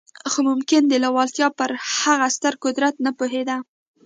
خو ممکن د لېوالتیا پر هغه ستر قدرت نه پوهېده